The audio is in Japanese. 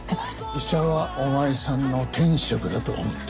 医者はお前さんの天職だと思ってるよ。